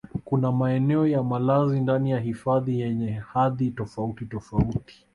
Kuna maeneo ya malazi ndani ya hifadhi yenye hadhi tofautitofauti